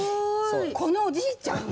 このおじいちゃんの？